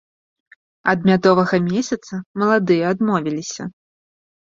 Ад мядовага месяца маладыя адмовіліся.